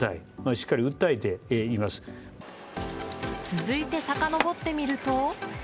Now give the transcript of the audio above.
続いてさかのぼってみると。